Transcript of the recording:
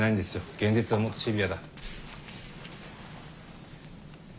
現実はもっとシビアだ。